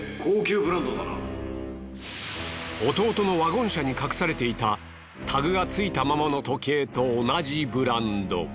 弟のワゴン車に隠されていたタグが付いたままの時計と同じブランド。